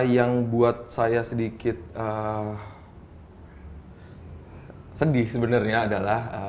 yang buat saya sedikit sedih sebenarnya adalah